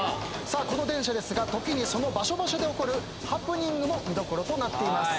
この電車ですが時にその場所場所で起こるハプニングも見どころとなっています。